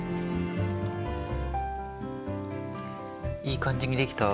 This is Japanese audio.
いい感じにできた？